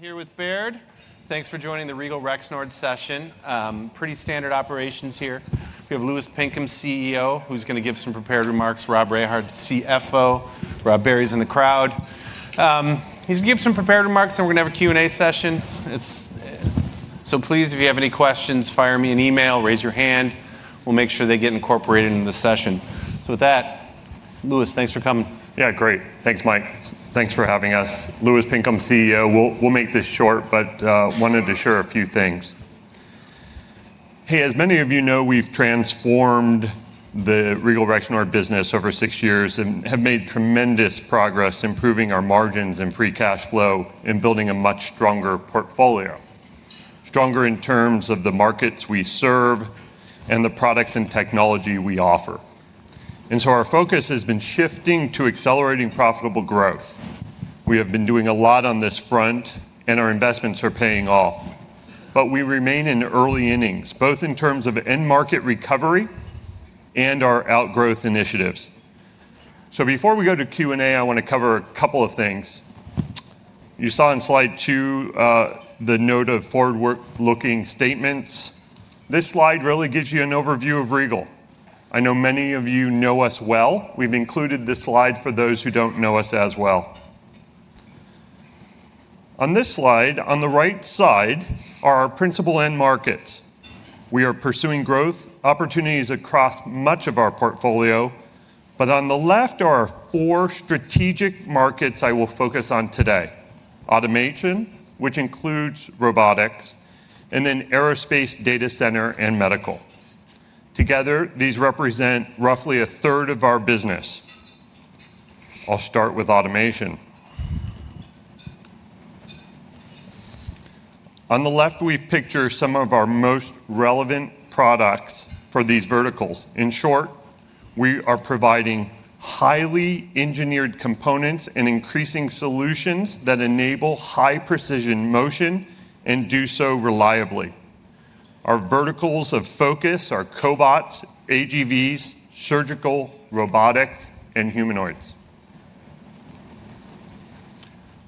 Here with Baird. Thanks for joining the Regal Rexnord session. Pretty standard operations here. We have Louis Pinkham, CEO, who's going to give some prepared remarks. Rob Rehard, CFO. Rob Barry's in the crowd. He's going to give some prepared remarks, and we're going to have a Q&A session. Please, if you have any questions, fire me an email, raise your hand. We'll make sure they get incorporated into the session. With that, Louis, thanks for coming. Yeah, great. Thanks, Mike. Thanks for having us. Louis Pinkham, CEO. We'll make this short, but wanted to share a few things. Hey, as many of you know, we've transformed the Regal Rexnord business over six years and have made tremendous progress improving our margins and free cash flow and building a much stronger portfolio. Stronger in terms of the markets we serve and the products and technology we offer. Our focus has been shifting to accelerating profitable growth. We have been doing a lot on this front, and our investments are paying off. We remain in early innings, both in terms of end market recovery and our outgrowth initiatives. Before we go to Q&A, I want to cover a couple of things. You saw in slide two the note of forward-looking statements. This slide really gives you an overview of Regal. I know many of you know us well. We've included this slide for those who don't know us as well. On this slide, on the right side are our principal end markets. We are pursuing growth opportunities across much of our portfolio. On the left are four strategic markets I will focus on today: automation, which includes robotics, and then aerospace, data center, and medical. Together, these represent roughly a third of our business. I'll start with automation. On the left, we picture some of our most relevant products for these verticals. In short, we are providing highly engineered components and increasing solutions that enable high-precision motion and do so reliably. Our verticals of focus are cobots, AGVs, surgical robotics, and humanoids.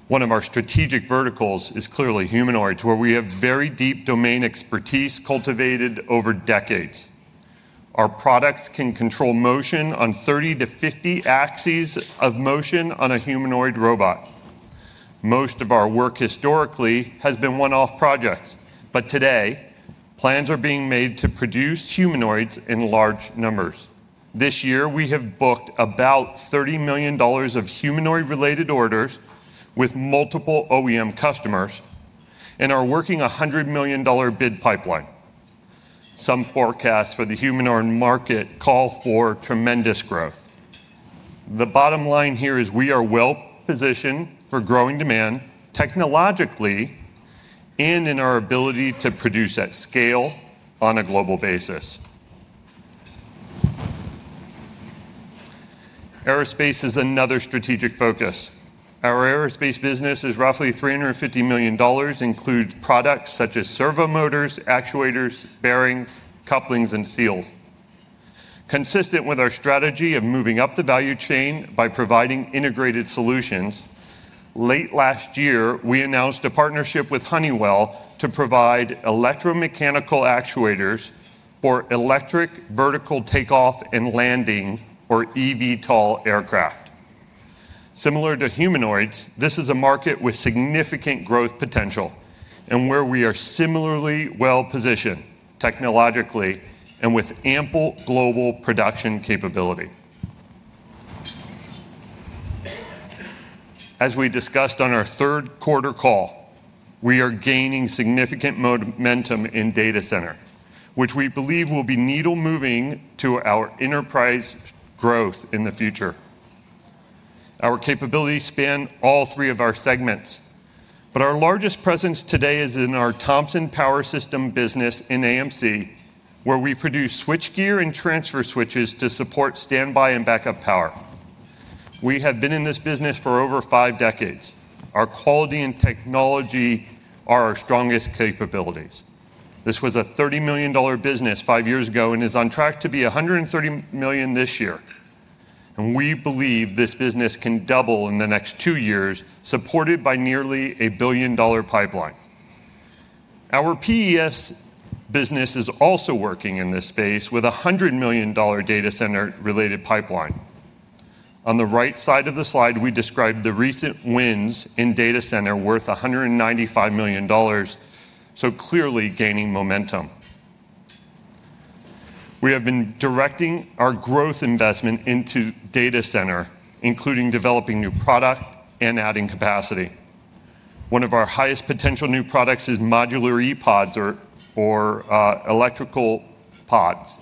One of our strategic verticals is clearly humanoids, where we have very deep domain expertise cultivated over decades. Our products can control motion on 30-50 axes of motion on a humanoid robot. Most of our work historically has been one-off projects, but today, plans are being made to produce humanoids in large numbers. This year, we have booked about $30 million of humanoid-related orders with multiple OEM customers and are working a $100 million bid pipeline. Some forecasts for the humanoid market call for tremendous growth. The bottom line here is we are well positioned for growing demand technologically and in our ability to produce at scale on a global basis. Aerospace is another strategic focus. Our aerospace business is roughly $350 million, includes products such as servo motors, actuators, bearings, couplings, and seals. Consistent with our strategy of moving up the value chain by providing integrated solutions, late last year, we announced a partnership with Honeywell to provide electromechanical actuators for electric vertical takeoff and landing, or EVTOL, aircraft. Similar to humanoids, this is a market with significant growth potential and where we are similarly well positioned technologically and with ample global production capability. As we discussed on our third quarter call, we are gaining significant momentum in data center, which we believe will be needle-moving to our enterprise growth in the future. Our capabilities span all three of our segments, but our largest presence today is in our Thompson Power System business in AMC, where we produce switchgear and transfer switches to support standby and backup power. We have been in this business for over five decades. Our quality and technology are our strongest capabilities. This was a $30 million business five years ago and is on track to be $130 million this year. We believe this business can double in the next two years, supported by nearly a billion-dollar pipeline. Our PES business is also working in this space with a $100 million data center-related pipeline. On the right side of the slide, we described the recent wins in data center worth $195 million, clearly gaining momentum. We have been directing our growth investment into data center, including developing new product and adding capacity. One of our highest potential new products is modular EPODs or electrical pods.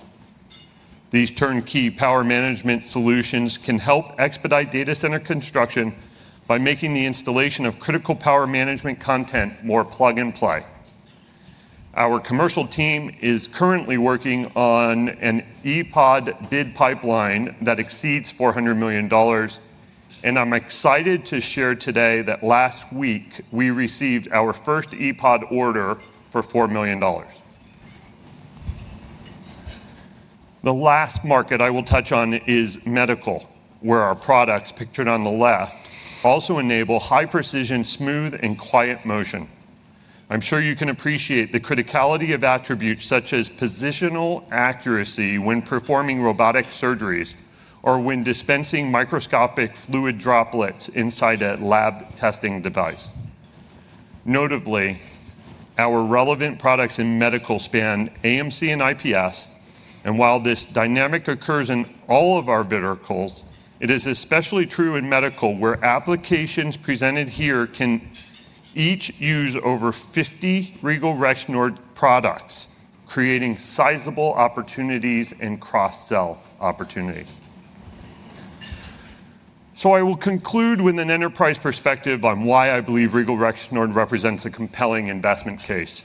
These turnkey power management solutions can help expedite data center construction by making the installation of critical power management content more plug-and-play. Our commercial team is currently working on an EPOD bid pipeline that exceeds $400 million. I'm excited to share today that last week, we received our first EPOD order for $4 million. The last market I will touch on is medical, where our products pictured on the left also enable high-precision, smooth, and quiet motion. I'm sure you can appreciate the criticality of attributes such as positional accuracy when performing robotic surgeries or when dispensing microscopic fluid droplets inside a lab testing device. Notably, our relevant products in medical span AMC and IPS. While this dynamic occurs in all of our verticals, it is especially true in medical, where applications presented here can each use over 50 Regal Rexnord products, creating sizable opportunities and cross-sell opportunities. I will conclude with an enterprise perspective on why I believe Regal Rexnord represents a compelling investment case.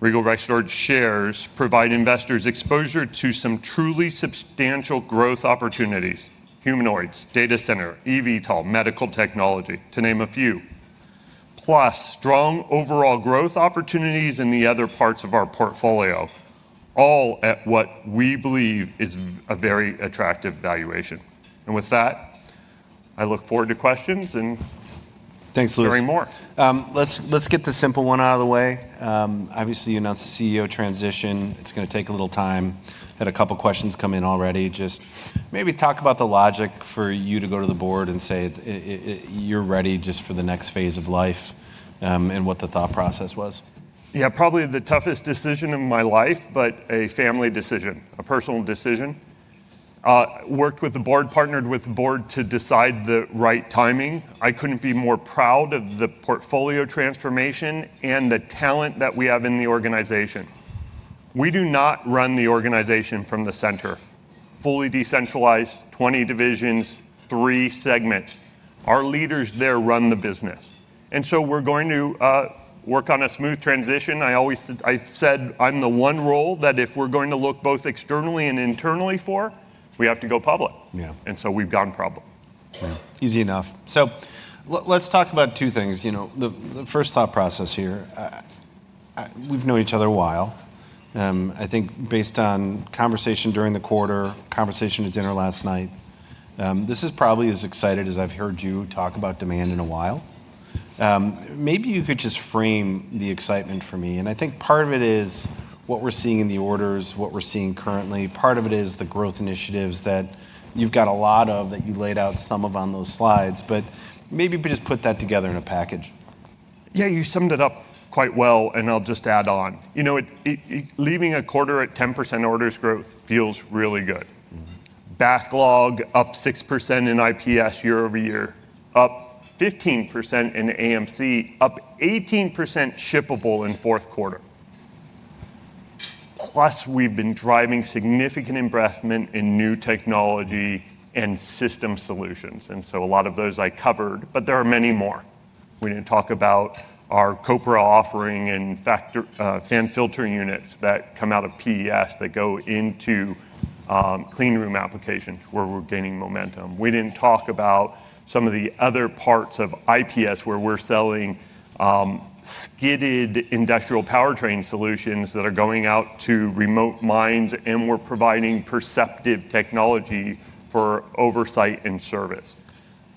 Regal Rexnord shares provide investors exposure to some truly substantial growth opportunities: humanoids, data center, EVTOL, medical technology, to name a few, plus strong overall growth opportunities in the other parts of our portfolio, all at what we believe is a very attractive valuation. I look forward to questions. Thanks, Louis. Hearing more. Let's get the simple one out of the way. Obviously, you announced the CEO transition. It's going to take a little time. I had a couple of questions come in already. Just maybe talk about the logic for you to go to the board and say you're ready just for the next phase of life and what the thought process was. Yeah, probably the toughest decision in my life, but a family decision, a personal decision. Worked with the board, partnered with the board to decide the right timing. I could not be more proud of the portfolio transformation and the talent that we have in the organization. We do not run the organization from the center. Fully decentralized, 20 divisions, three segments. Our leaders there run the business. We are going to work on a smooth transition. I always said I am the one role that if we are going to look both externally and internally for, we have to go public. We have gone public. Easy enough. Let's talk about two things. The first thought process here, we've known each other a while. I think based on conversation during the quarter, conversation at dinner last night, this is probably as excited as I've heard you talk about demand in a while. Maybe you could just frame the excitement for me. I think part of it is what we're seeing in the orders, what we're seeing currently. Part of it is the growth initiatives that you've got, a lot of that you laid out some of on those slides. Maybe you could just put that together in a package. Yeah, you summed it up quite well, and I'll just add on. Leaving a quarter at 10% orders growth feels really good. Backlog up 6% in IPS year over year, up 15% in AMC, up 18% shippable in fourth quarter. Plus, we've been driving significant investment in new technology and system solutions. A lot of those I covered, but there are many more. We didn't talk about our COPRA offering and fan filter units that come out of PES that go into clean room applications where we're gaining momentum. We didn't talk about some of the other parts of IPS where we're selling skidded industrial powertrain solutions that are going out to remote mines, and we're providing perceptive technology for oversight and service.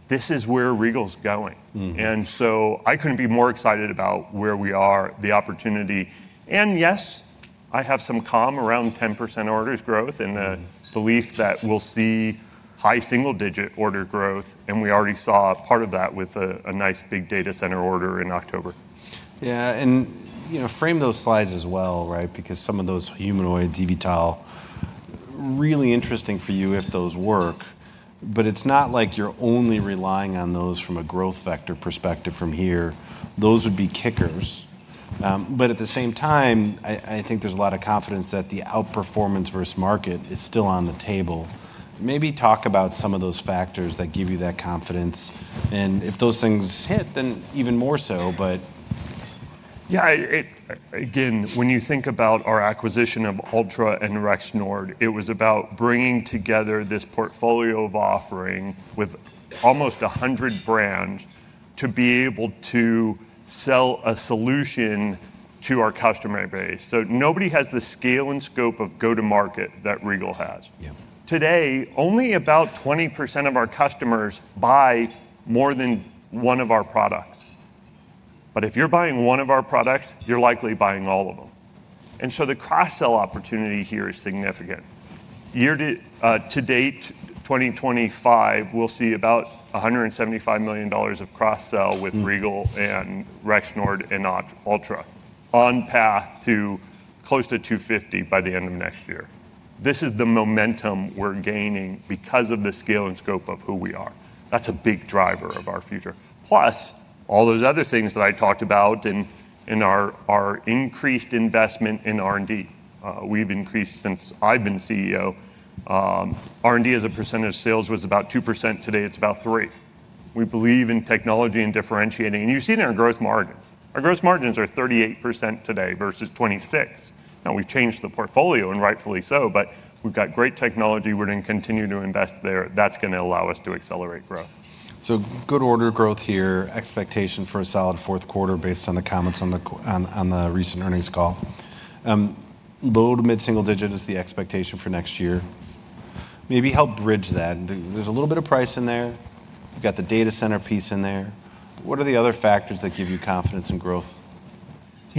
This is where Regal's going. I couldn't be more excited about where we are, the opportunity. Yes, I have some calm around 10% orders growth and the belief that we'll see high single-digit order growth. We already saw part of that with a nice big data center order in October. Yeah, and frame those slides as well, right, because some of those humanoids, EVTOL, really interesting for you if those work. It's not like you're only relying on those from a growth vector perspective from here. Those would be kickers. At the same time, I think there's a lot of confidence that the outperformance versus market is still on the table. Maybe talk about some of those factors that give you that confidence. If those things hit, then even more so, but. Yeah, again, when you think about our acquisition of Altra and Rexnord, it was about bringing together this portfolio of offering with almost 100 brands to be able to sell a solution to our customer base. Nobody has the scale and scope of go-to-market that Regal has. Today, only about 20% of our customers buy more than one of our products. If you're buying one of our products, you're likely buying all of them. The cross-sell opportunity here is significant. To date, 2025, we'll see about $175 million of cross-sell with Regal and Rexnord and Altra on path to close to $250 million by the end of next year. This is the momentum we're gaining because of the scale and scope of who we are. That's a big driver of our future. Plus, all those other things that I talked about and our increased investment in R&D. We've increased since I've been CEO. R&D as a percentage of sales was about 2%. Today, it's about 3%. We believe in technology and differentiating. You see in our gross margins. Our gross margins are 38% today versus 26%. Now, we've changed the portfolio, and rightfully so, but we've got great technology. We're going to continue to invest there. That's going to allow us to accelerate growth. Good order growth here. Expectation for a solid fourth quarter based on the comments on the recent earnings call. Low- to mid-single digit is the expectation for next year. Maybe help bridge that. There's a little bit of price in there. You've got the data center piece in there. What are the other factors that give you confidence in growth?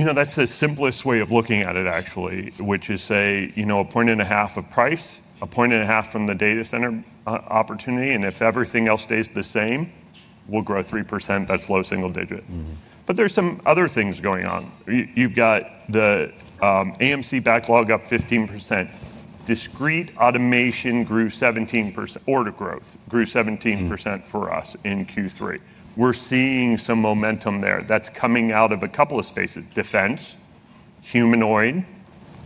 You know, that's the simplest way of looking at it, actually, which is say a point and a half of price, a point and a half from the data center opportunity. If everything else stays the same, we'll grow 3%. That's low single digit. There are some other things going on. You've got the AMC backlog up 15%. Discrete automation grew 17%. Order growth grew 17% for us in Q3. We're seeing some momentum there that's coming out of a couple of spaces: defense, humanoid,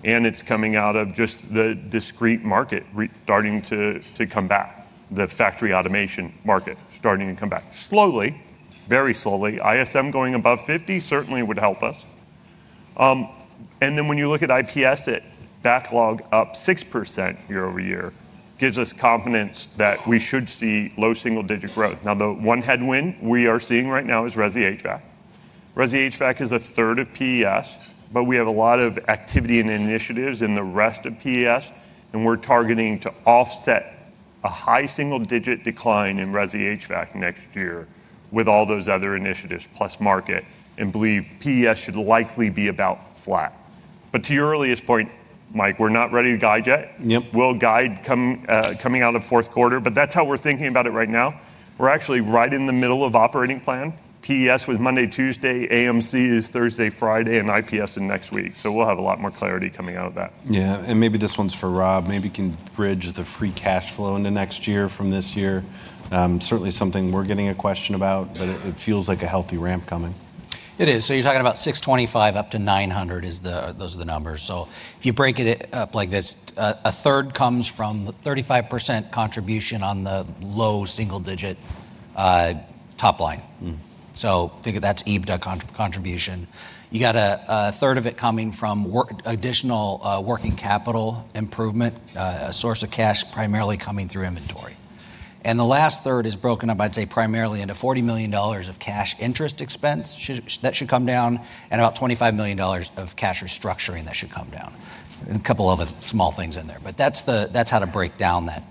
and it's coming out of just the discrete market starting to come back. The factory automation market starting to come back slowly, very slowly. ISM going above 50 certainly would help us. When you look at IPS, backlog up 6% year over year gives us confidence that we should see low single digit growth. Now, the one headwind we are seeing right now is ResiHVAC. ResiHVAC is a third of PES, but we have a lot of activity and initiatives in the rest of PES. We are targeting to offset a high single digit decline in ResiHVAC next year with all those other initiatives plus market and believe PES should likely be about flat. To your earliest point, Mike, we are not ready to guide yet. We will guide coming out of fourth quarter, but that is how we are thinking about it right now. We are actually right in the middle of operating plan. PES was Monday, Tuesday. AMC is Thursday, Friday, and IPS is next week. We will have a lot more clarity coming out of that. Yeah, and maybe this one's for Rob. Maybe can bridge the free cash flow into next year from this year. Certainly something we're getting a question about, but it feels like a healthy ramp coming. It is. You're talking about 625 up to 900, those are the numbers. If you break it up like this, a third comes from 35% contribution on the low single-digit top line. Think of that as EBITDA contribution. You have a third of it coming from additional working capital improvement, a source of cash primarily coming through inventory. The last third is broken up, I'd say, primarily into $40 million of cash interest expense that should come down and about $25 million of cash restructuring that should come down. A couple of other small things in there, but that's how to break down that.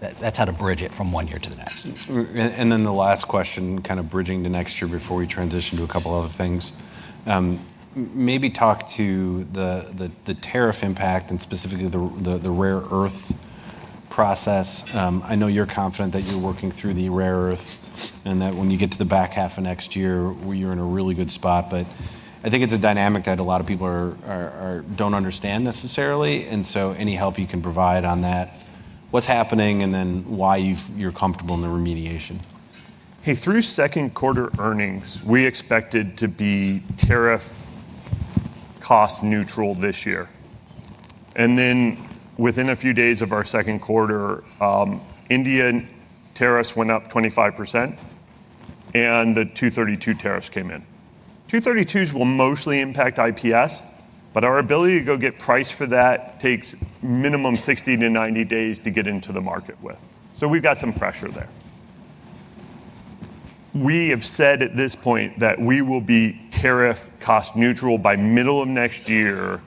That's how to bridge it from one year to the next. The last question, kind of bridging to next year before we transition to a couple of other things. Maybe talk to the tariff impact and specifically the rare earth process. I know you're confident that you're working through the rare earth and that when you get to the back half of next year, you're in a really good spot. I think it's a dynamic that a lot of people don't understand necessarily. Any help you can provide on that, what's happening, and then why you're comfortable in the remediation. Hey, through second quarter earnings, we expected to be tariff cost neutral this year. Within a few days of our second quarter, India tariffs went up 25% and the 232 tariffs came in. 232s will mostly impact IPS, but our ability to go get price for that takes minimum 60-90 days to get into the market with. We have some pressure there. We have said at this point that we will be tariff cost neutral by middle of next year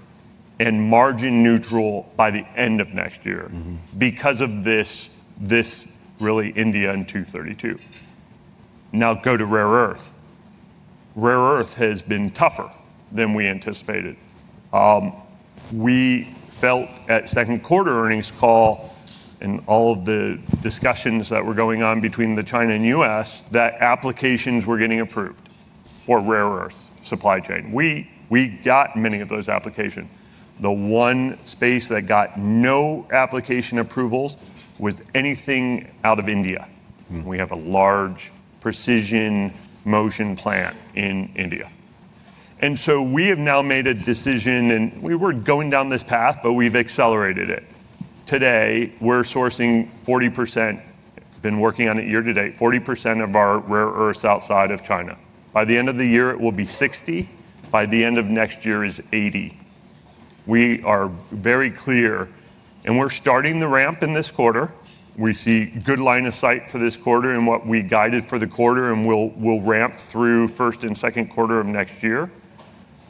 and margin neutral by the end of next year because of this, really India and 232. Now go to rare earth. Rare earth has been tougher than we anticipated. We felt at second quarter earnings call and all of the discussions that were going on between China and the US that applications were getting approved for rare earth supply chain. We got many of those applications. The one space that got no application approvals was anything out of India. We have a large precision motion plant in India. We have now made a decision, and we were going down this path, but we have accelerated it. Today, we are sourcing 40%. Been working on it year to date, 40% of our rare earth outside of China. By the end of the year, it will be 60%. By the end of next year, it is 80%. We are very clear, and we are starting the ramp in this quarter. We see good line of sight for this quarter and what we guided for the quarter, and we will ramp through first and second quarter of next year.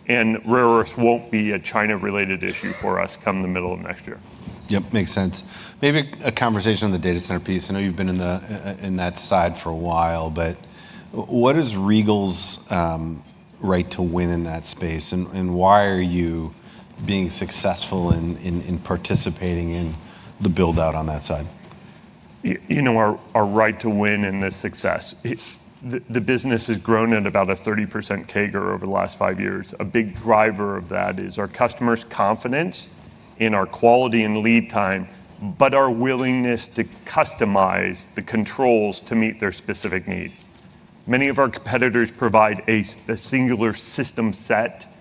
Rare earth will not be a China-related issue for us come the middle of next year. Yep, makes sense. Maybe a conversation on the data center piece. I know you've been in that side for a while, but what is Regal Rexnord's right to win in that space, and why are you being successful in participating in the build-out on that side? You know, our right to win in this success, the business has grown at about a 30% CAGR over the last five years. A big driver of that is our customers' confidence in our quality and lead time, but our willingness to customize the controls to meet their specific needs. Many of our competitors provide a singular system set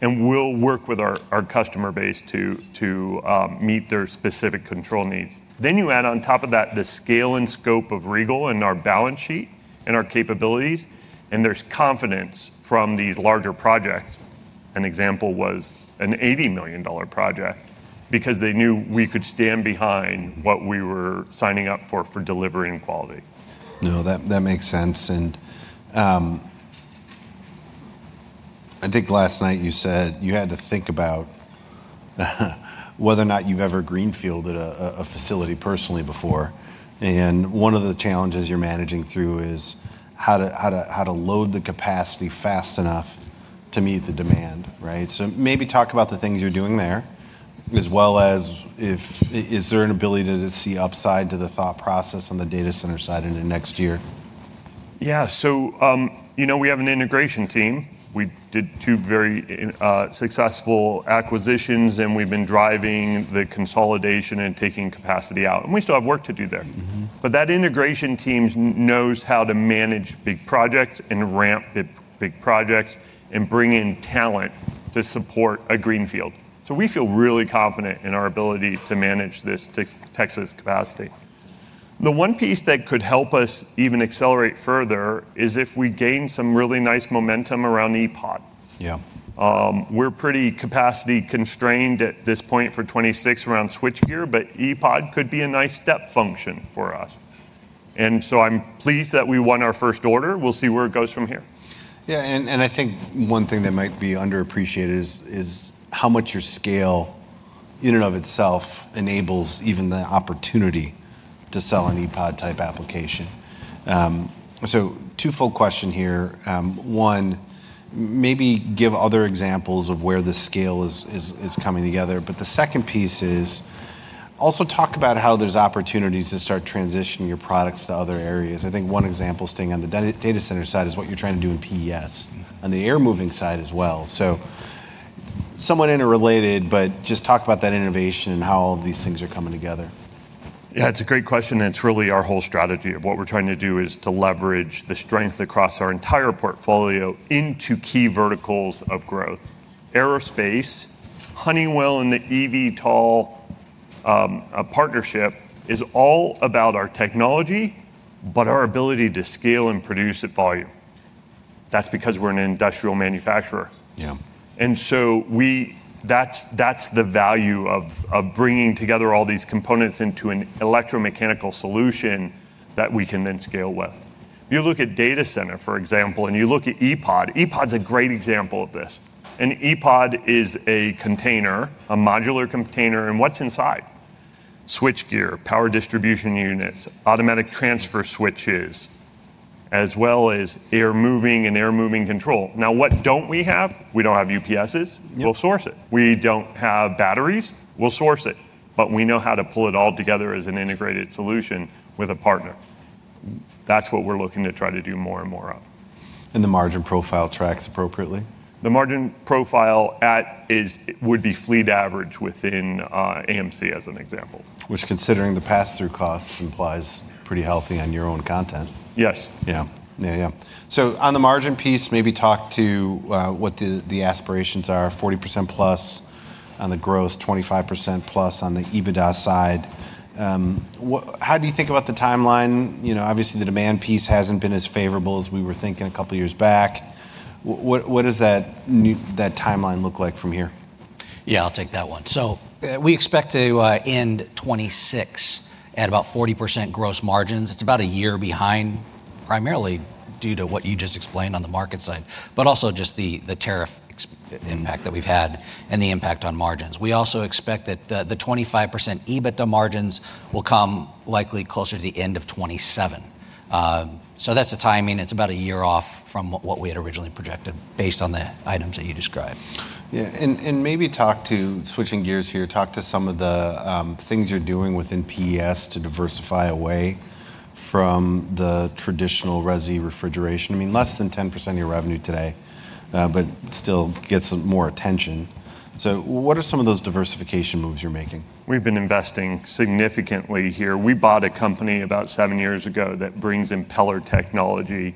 and will work with our customer base to meet their specific control needs. You add on top of that the scale and scope of Regal Rexnord and our balance sheet and our capabilities, and there is confidence from these larger projects. An example was an $80 million project because they knew we could stand behind what we were signing up for for delivery and quality. No, that makes sense. I think last night you said you had to think about whether or not you've ever greenfielded a facility personally before. One of the challenges you're managing through is how to load the capacity fast enough to meet the demand, right? Maybe talk about the things you're doing there, as well as if there's an ability to see upside to the thought process on the data center side into next year. Yeah, so you know we have an integration team. We did two very successful acquisitions, and we have been driving the consolidation and taking capacity out. We still have work to do there. That integration team knows how to manage big projects and ramp big projects and bring in talent to support a greenfield. We feel really confident in our ability to manage this Texas capacity. The one piece that could help us even accelerate further is if we gain some really nice momentum around EPOD. Yeah. We're pretty capacity constrained at this point for 2026 around switchgear, but EPOD could be a nice step function for us. I'm pleased that we won our first order. We'll see where it goes from here. Yeah, and I think one thing that might be underappreciated is how much your scale in and of itself enables even the opportunity to sell an EPOD type application. Twofold question here. One, maybe give other examples of where the scale is coming together. The second piece is also talk about how there's opportunities to start transitioning your products to other areas. I think one example staying on the data center side is what you're trying to do in PES on the air moving side as well. Somewhat interrelated, but just talk about that innovation and how all of these things are coming together. Yeah, it's a great question. It's really our whole strategy of what we're trying to do is to leverage the strength across our entire portfolio into key verticals of growth. Aerospace, Honeywell, and the EVTOL partnership is all about our technology, but our ability to scale and produce at volume. That's because we're an industrial manufacturer. Yeah. That is the value of bringing together all these components into an electromechanical solution that we can then scale with. If you look at data center, for example, and you look at EPOD, EPOD's a great example of this. An EPOD is a container, a modular container, and what's inside? Switchgear, power distribution units, automatic transfer switches, as well as air moving and air moving control. Now, what do not we have? We do not have UPSs. We will source it. We do not have batteries. We will source it. We know how to pull it all together as an integrated solution with a partner. That is what we are looking to try to do more and more of. The margin profile tracks appropriately? The margin profile would be fleet average within AMC, as an example. Which, considering the pass-through costs, implies pretty healthy on your own content. Yes. Yeah. Yeah, yeah. On the margin piece, maybe talk to what the aspirations are: 40% plus on the growth, 25% plus on the EBITDA side. How do you think about the timeline? Obviously, the demand piece has not been as favorable as we were thinking a couple of years back. What does that timeline look like from here? Yeah, I'll take that one. We expect to end 2026 at about 40% gross margins. It's about a year behind, primarily due to what you just explained on the market side, but also just the tariff impact that we've had and the impact on margins. We also expect that the 25% EBITDA margins will come likely closer to the end of 2027. That's the timing. It's about a year off from what we had originally projected based on the items that you described. Yeah, and maybe talk to switching gears here, talk to some of the things you're doing within PES to diversify away from the traditional Resi refrigeration. I mean, less than 10% of your revenue today, but still gets more attention. What are some of those diversification moves you're making? We've been investing significantly here. We bought a company about seven years ago that brings impeller technology.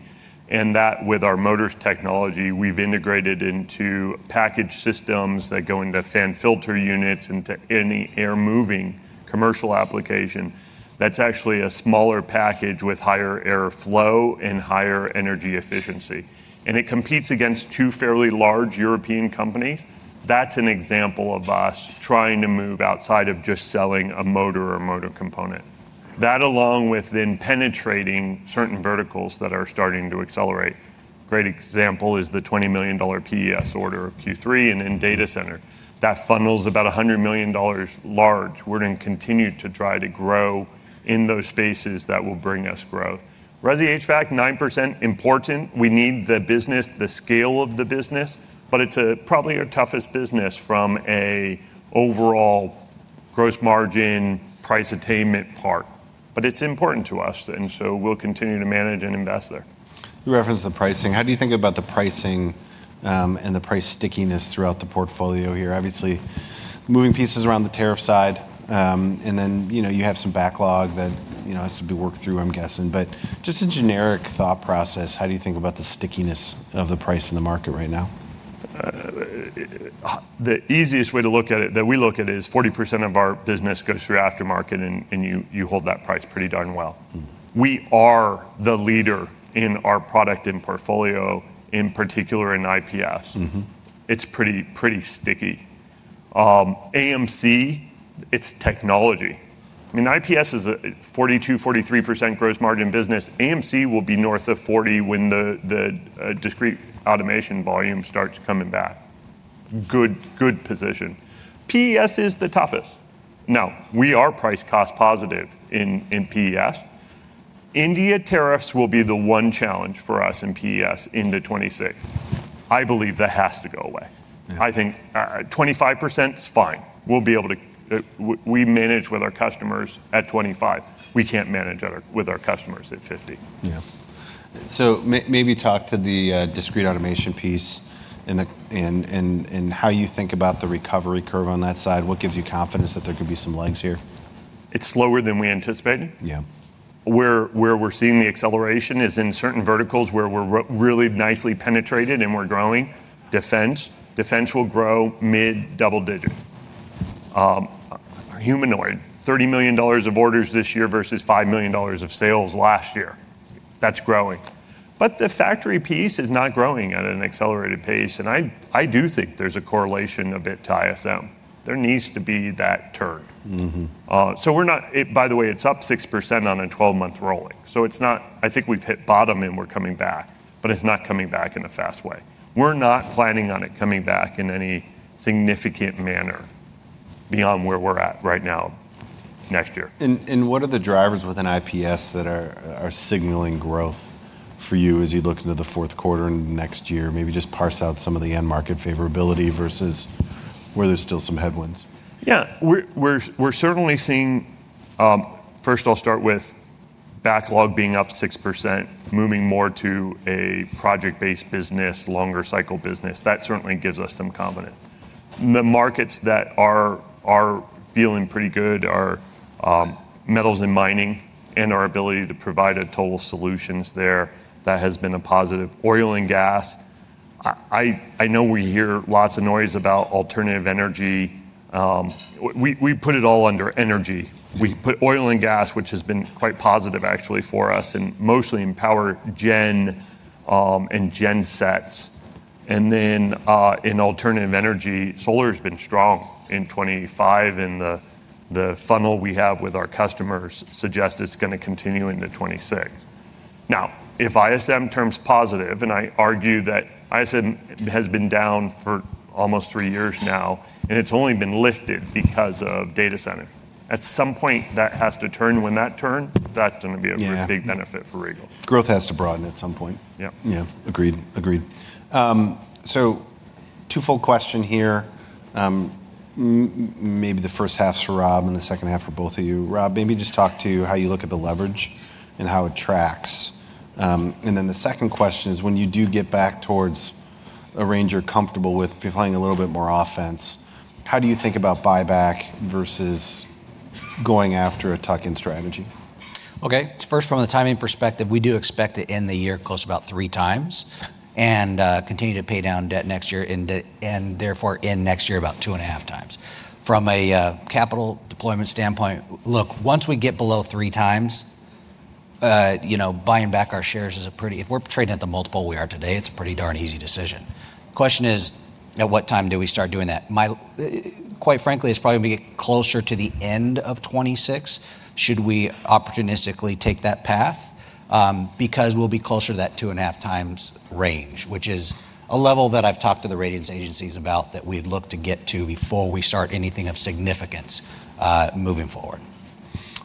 That, with our motors technology, we've integrated into package systems that go into fan filter units and into any air moving commercial application. That's actually a smaller package with higher air flow and higher energy efficiency. It competes against two fairly large European companies. That's an example of us trying to move outside of just selling a motor or motor component. That, along with then penetrating certain verticals that are starting to accelerate. Great example is the $20 million PES order of Q3 and in data center. That funnels about $100 million large. We're going to continue to try to grow in those spaces that will bring us growth. ResiHVAC, 9% important. We need the business, the scale of the business, but it is probably our toughest business from an overall gross margin price attainment part. It is important to us, and we will continue to manage and invest there. You referenced the pricing. How do you think about the pricing and the price stickiness throughout the portfolio here? Obviously, moving pieces around the tariff side, and then you have some backlog that has to be worked through, I'm guessing. Just a generic thought process, how do you think about the stickiness of the price in the market right now? The easiest way to look at it that we look at is 40% of our business goes through aftermarket, and you hold that price pretty darn well. We are the leader in our product and portfolio, in particular in IPS. It's pretty sticky. AMC, it's technology. I mean, IPS is a 42-43% gross margin business. AMC will be north of 40% when the discrete automation volume starts coming back. Good position. PES is the toughest. Now, we are price cost positive in PES. India tariffs will be the one challenge for us in PES into 2026. I believe that has to go away. I think 25% is fine. We'll be able to manage with our customers at 25%. We can't manage with our customers at 50%. Yeah. Maybe talk to the discrete automation piece and how you think about the recovery curve on that side. What gives you confidence that there could be some legs here? It's slower than we anticipated. Yeah. Where we're seeing the acceleration is in certain verticals where we're really nicely penetrated and we're growing. Defense. Defense will grow mid double digit. Humanoid, $30 million of orders this year versus $5 million of sales last year. That's growing. The factory piece is not growing at an accelerated pace. I do think there's a correlation a bit to ISM. There needs to be that turn. We're not, by the way, it's up 6% on a 12-month rolling. I think we've hit bottom and we're coming back, but it's not coming back in a fast way. We're not planning on it coming back in any significant manner beyond where we're at right now next year. What are the drivers within IPS that are signaling growth for you as you look into the fourth quarter and next year? Maybe just parse out some of the end market favorability versus where there's still some headwinds. Yeah, we're certainly seeing, first, I'll start with backlog being up 6%, moving more to a project-based business, longer cycle business. That certainly gives us some confidence. The markets that are feeling pretty good are metals and mining and our ability to provide a total solutions there that has been a positive. Oil and gas. I know we hear lots of noise about alternative energy. We put it all under energy. We put oil and gas, which has been quite positive actually for us, and mostly in power gen and gen sets. In alternative energy, solar has been strong in 2025, and the funnel we have with our customers suggests it's going to continue into 2026. Now, if ISM turns positive, and I argue that ISM has been down for almost three years now, and it's only been lifted because of data center. At some point, that has to turn. When that turns, that's going to be a big benefit for Regal. Growth has to broaden at some point. Yeah. Yeah, agreed, agreed. Twofold question here. Maybe the first half for Rob and the second half for both of you. Rob, maybe just talk to how you look at the leverage and how it tracks. The second question is, when you do get back towards a range you're comfortable with playing a little bit more offense, how do you think about buyback versus going after a tuck-in strategy? Okay, first, from the timing perspective, we do expect to end the year close to about three times and continue to pay down debt next year and therefore end next year about two and a half times. From a capital deployment standpoint, look, once we get below three times, buying back our shares is a pretty, if we're trading at the multiple we are today, it's a pretty darn easy decision. Question is, at what time do we start doing that? Quite frankly, it's probably going to be closer to the end of 2026. Should we opportunistically take that path? Because we'll be closer to that two and a half times range, which is a level that I've talked to the ratings agencies about that we've looked to get to before we start anything of significance moving forward.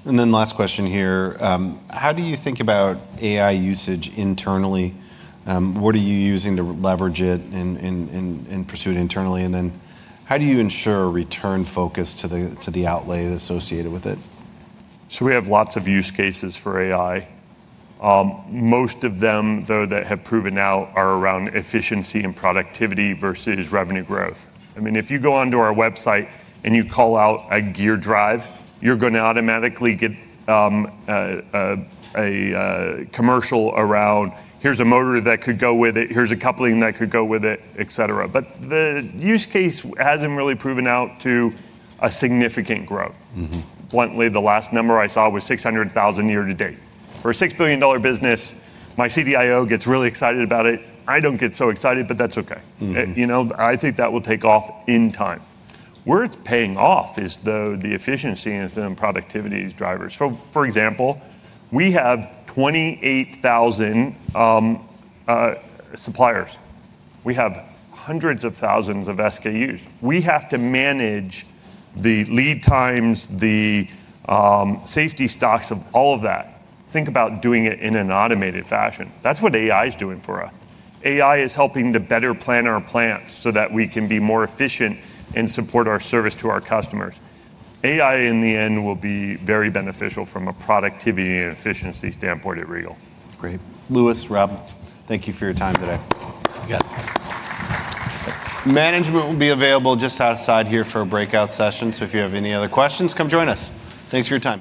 Last question here. How do you think about AI usage internally? What are you using to leverage it and pursue it internally? How do you ensure return focus to the outlay associated with it? We have lots of use cases for AI. Most of them, though, that have proven out are around efficiency and productivity versus revenue growth. I mean, if you go onto our website and you call out a gear drive, you're going to automatically get a commercial around, "Here's a motor that could go with it. Here's a coupling that could go with it," etc. The use case hasn't really proven out to a significant growth. Bluntly, the last number I saw was $600,000 year to date. For a $6 billion business, my CDIO gets really excited about it. I don't get so excited, but that's okay. I think that will take off in time. Worth paying off is the efficiency and some productivity drivers. For example, we have 28,000 suppliers. We have hundreds of thousands of SKUs. We have to manage the lead times, the safety stocks of all of that. Think about doing it in an automated fashion. That's what AI is doing for us. AI is helping to better plan our plans so that we can be more efficient and support our service to our customers. AI in the end will be very beneficial from a productivity and efficiency standpoint at Regal Rexnord. Great. Louis, Rob, thank you for your time today. You got it. Management will be available just outside here for a breakout session. If you have any other questions, come join us. Thanks for your time.